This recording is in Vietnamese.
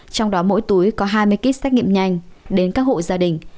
trong đó mỗi túi có hai mươi kit xét nghiệm nhanh đến các hộ gia đình